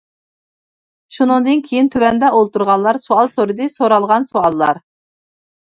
شۇنىڭدىن كىيىن تۆۋەندە ئولتۇرغانلار سوئال سورىدى، سورالغان سوئاللار.